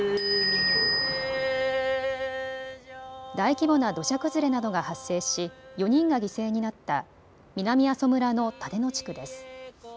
大規模な土砂崩れなどが発生し４人が犠牲になった南阿蘇村の立野地区です。